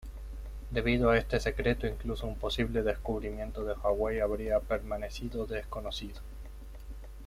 Debido a este secreto, incluso un posible descubrimiento de Hawái habría permanecido desconocido.